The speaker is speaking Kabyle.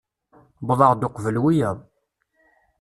Wwḍeɣ-d uqbel wiyaḍ.